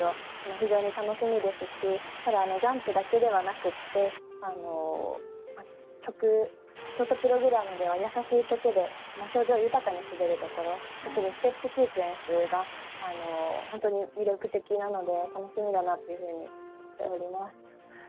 非常に楽しみですしただ、ジャンプだけではなくてショートプログラムでは優しい曲で表情豊かに滑るところ特にステップシークエンスが本当に魅力的なので楽しみだなというふうに思っております。